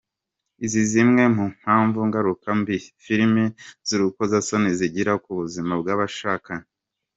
Izi zimwe mu mpamvu ngaruka mbi filimi z’urukozasoni zigira ku buzima bw’abashakanye.